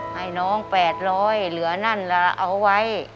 ให้น้องแปดร้อยเหลือนั่นเราเอาไว้